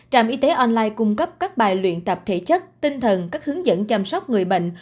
trạm y tế online cung cấp các bài luyện tập thể chất tinh thần các hướng dẫn chăm sóc người bệnh